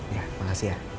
ya makasih ya